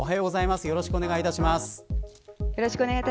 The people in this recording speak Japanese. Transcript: よろしくお願いします。